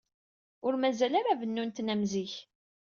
Ur mazal ara bennun-ten am zik.